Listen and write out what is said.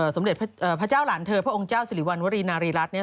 สมเด็จพระเจ้าหลานเธอพระองค์เจ้าสิริวัณวรีนารีรัฐ